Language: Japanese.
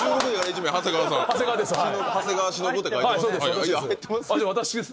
長谷川忍って書いてます。